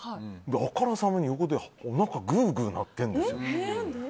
あからさまに、おなかぐうぐう鳴ってるんですよ。